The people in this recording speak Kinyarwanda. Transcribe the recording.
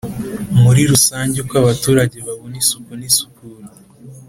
muri rusange Uko abaturage babona isuku n isukura.